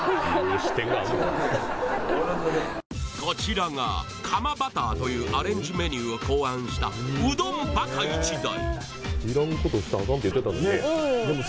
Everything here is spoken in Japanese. こちらが釜バターというアレンジメニューを考案したうどんバカ一代